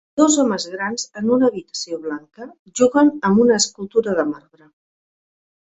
Dos homes grans, en una habitació blanca, juguen amb una escultura de marbre.